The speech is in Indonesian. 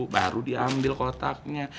baru diambil kotaknya